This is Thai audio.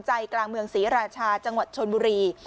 ใจกลางเมืองศรีราชาจังหวัดชนบุรี